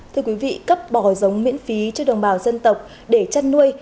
thưa quý vị cấp bò giống miễn phí cho đồng bào dân tộc để chăn nuôi